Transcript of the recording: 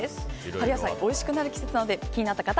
春野菜がおいしくなる季節なので気になった方